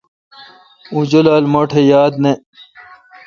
اوں جولال مہ ٹھ یاد نہ۔